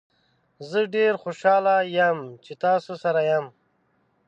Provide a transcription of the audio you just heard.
زه ډیر خوشحاله یم چې تاسو سره یم.